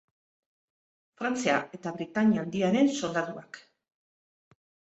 Frantzia eta Britainia Handiaren soldaduak.